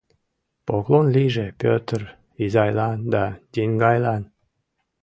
Поклон лийже Петр изайлан да еҥгайлан!